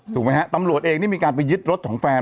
ถูกไหมฮะตำรวจเองนี่มีการไปยึดรถของแฟน